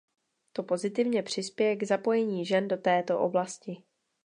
To pozitivně přispěje k zapojení žen do této oblasti.